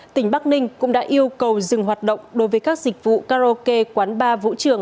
tỉnh bắc ninh cũng đã yêu cầu dừng hoạt động đối với các dịch vụ karaoke quán bar vũ trường